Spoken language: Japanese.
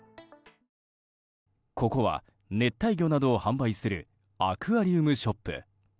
ここは熱帯魚などを販売するアクアリウムショップ。